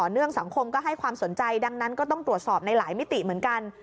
เนื่องสังคมก็ให้ความสนใจดังนั้นก็ต้องตรวจสอบในหลายมิติเหมือนกัน